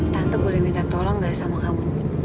tante boleh minta tolong gak sama kamu